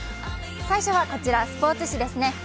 最初はこちら、スポーツ紙ですね。